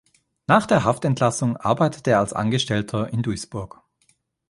Nach der Haftentlassung arbeitete er als Angestellter in Duisburg.